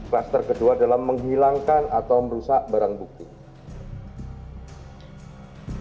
kluster kedua adalah menghilangkan atau merusak barang bukti